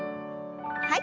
はい。